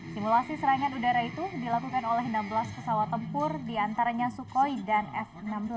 simulasi serangan udara itu dilakukan oleh enam belas pesawat tempur diantaranya sukhoi dan f enam belas